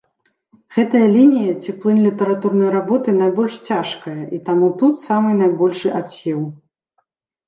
Гэтая лінія ці плынь літаратурнай работы найбольш цяжкая, і таму тут самы найбольшы адсеў.